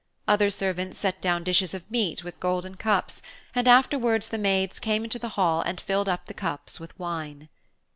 Other servants set down dishes of meat with golden cups, and afterwards the maids came into the hall and filled up the cups with wine.